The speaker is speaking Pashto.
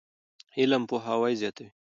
علم پوهاوی زیاتوي.